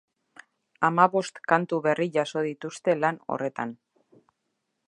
Hamabost kantu berri jaso dituzte lan horretan.